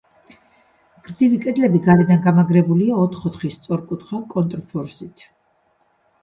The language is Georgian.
გრძივი კედლები გარედან გამაგრებულია ოთხ-ოთხი სწორკუთხა კონტრფორსით.